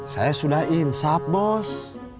saya sudah insap bos